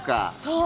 そう！